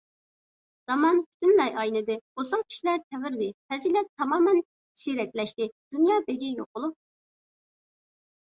زامان پۈتۇنلەي ئاينىدى، ئوسال كىشىلەر تەۋرىدى، پەزىلەت تامامەن سىيرەكلەشتى، دۇنيا بېگى يوقۇلۇپ.